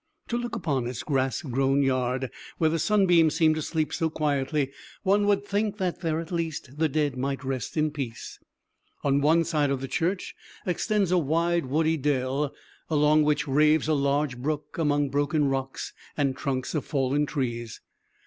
To look upon its grass grown yard, where the sunbeams seem to sleep so quietly, one would think that there at least the dead might rest in peace. On one side of the church extends a wide woody dell, along which raves a large brook among broken rocks and trunks of fallen trees.